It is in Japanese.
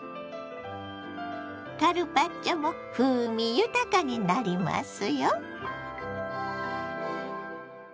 カルパッチョも風味豊かになりますよ。